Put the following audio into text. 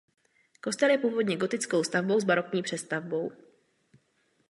Kostel je původně gotickou stavbou s barokní přestavbou.